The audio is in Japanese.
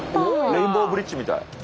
レインボーブリッジみたい。